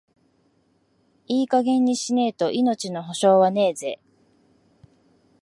いい加減にしねえと、命の保証はねえぜ。